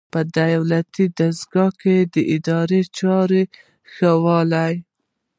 په دولتي دستګاه کې د اداري چارو ښه والی.